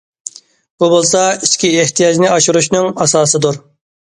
بۇ بولسا، ئىچكى ئېھتىياجنى ئاشۇرۇشنىڭ ئاساسىدۇر.